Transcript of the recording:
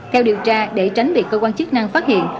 theo điều tra để tránh bị cơ quan chức năng phát hiện